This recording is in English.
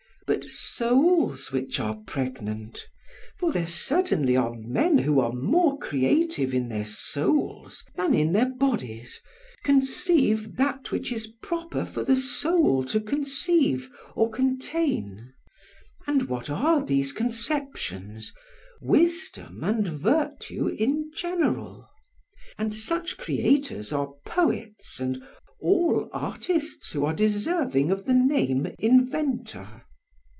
But souls which are pregnant for there certainly are men who are more creative in their souls than in their bodies conceive that which is proper for the soul to conceive or contain. And what are these conceptions? wisdom and virtue in general. And such creators are poets and all artists who are deserving of the name inventor.